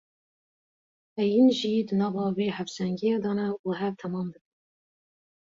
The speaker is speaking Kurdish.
Heyîn jî di nava vê hevsengiyê de ne û hev temam dikin.